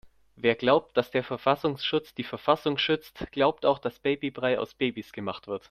Wer glaubt, dass der Verfassungsschutz die Verfassung schützt, glaubt auch dass Babybrei aus Babys gemacht wird.